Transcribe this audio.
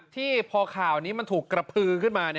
ที่พอข่าวนี้มันถูกกระพือขึ้นมา